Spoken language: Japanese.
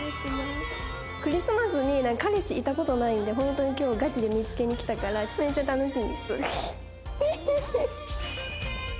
クリスマスに彼氏いた事ないんでホントに今日ガチで見つけに来たからめちゃ楽しみ。